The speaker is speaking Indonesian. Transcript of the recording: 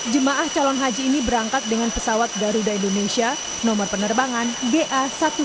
jemaah calon haji ini berangkat dengan pesawat garuda indonesia nomor penerbangan ba satu ratus dua belas